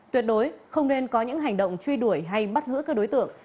tuyệt đối không nên có những hành động truy đuổi hay bắt giữ các đối tượng